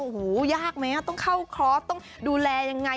หูยากไหมอ่ะต้องเข้าคอร์สต้องดูแลอย่างไร